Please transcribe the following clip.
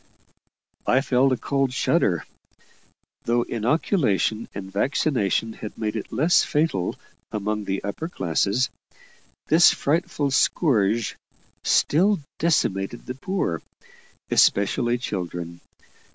I felt a cold shudder. Though inoculation and vaccination had made it less fatal among the upper classes, this frightful scourge still decimated the poor, especially children.